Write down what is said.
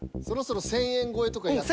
そろそろ１、０００円超えとか。